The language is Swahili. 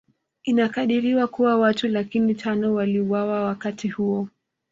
Inakadiriwa kuwa watu laki tano waliuliwa wakati huo